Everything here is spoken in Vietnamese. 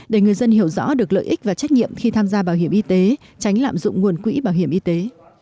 để người dân hiểu rõ được lợi ích và trách nhiệm khi tham gia bảo hiểm y tế tránh lạm dụng nguồn quỹ bảo hiểm y tế